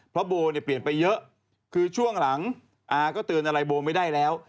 เพราะโบเนี่ยเปลี่ยนไปเยอะคือช่วงหลังอาก็เตือนอะไรโบไม่ได้แล้ว